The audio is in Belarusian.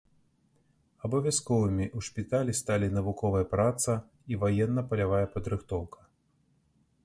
Абавязковымі ў шпіталі сталі навуковая праца і ваенна-палявая падрыхтоўка.